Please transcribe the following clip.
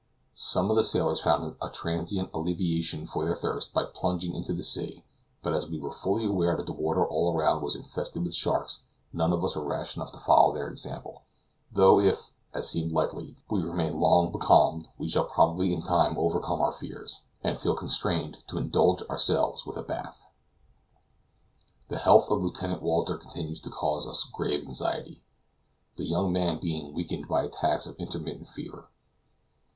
Some of the sailors found a transient alleviation for their thirst by plunging into the sea, but as we were fully aware that the water all around was infested with sharks, none of us was rash enough to follow their example, though if, as seems likely, we remain long becalmed, we shall probably in time overcome our fears, and feel constrained to indulge ourselves with a bath. The health of Lieutenant Walter continues to cause us grave anxiety, the young man being weakened by attacks of intermittent fever.